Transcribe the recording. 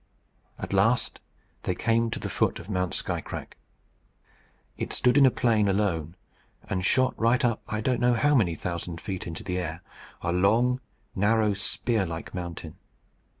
At last they came to the foot of Mount Skycrack. It stood in a plain alone, and shot right up, I don't know how many thousand feet, into the air, a long, narrow, spearlike mountain.